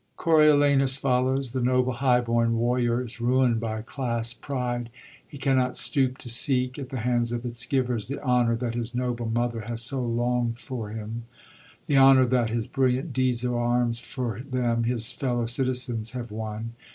€oriolanu8 follows. The noble, high bom warrior is ruind by class pride. He cannot stoop to seek, at the hands of its givers, the honor that his noble mother has so long longd for for him, the honor that his brilliant deeds of arms for them, his fellow citizens, have won.